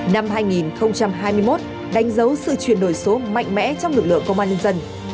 năm hai nghìn hai mươi một đánh dấu sự chuyển đổi số mạnh mẽ trong lực lượng công an nhân dân